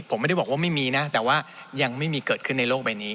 ผมไม่ได้บอกว่าไม่มีนะแต่ว่ายังไม่มีเกิดขึ้นในโลกใบนี้